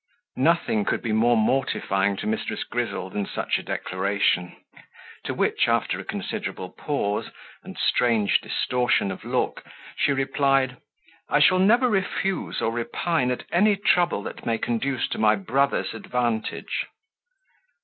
Nothing could be more mortifying to Mrs. Grizzle than such a declaration; to which, after a considerable pause, and strange distortion of look, she replied: "I shall never refuse or repine at any trouble that may conduce to my brother's advantage."